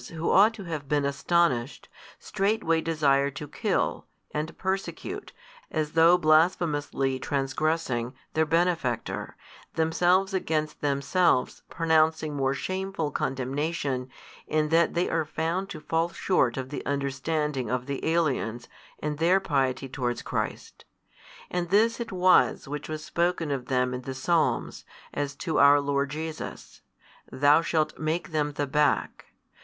who ought to have been astonished, straightway desire to kill, and persecute, as though blasphemously transgressing, their Benefactor, themselves against themselves pronouncing more shameful condemnation in that they are found to fall short of the understanding of the |236 aliens, and their piety towards Christ. And this it was which was spoken of them in the Psalms, as to our Lord Jesus, Thou shalt make them the back.